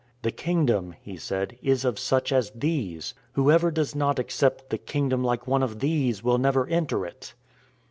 " The Kingdom," he said, " is of such as these. Whoever does not accept the Kingdom like one of these will never enter it."